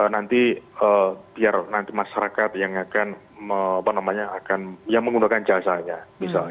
nanti biar nanti masyarakat yang akan menggunakan jasanya misalnya